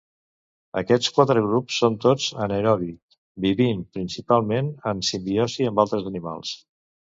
Aquests quatre grups són tots anaerobi, vivint principalment en simbiosi amb altres animals.